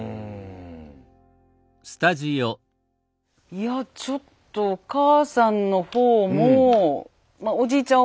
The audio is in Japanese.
いやちょっとお母さんの方もおじいちゃん